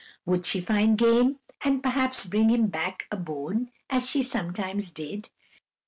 Would she find game, and perhaps bring him back a bone, as she sometimes did?